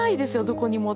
どこにも。